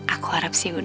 aku harap sih udah